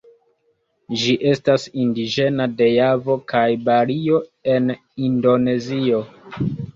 Ĝi estas indiĝena de Javo kaj Balio en Indonezio.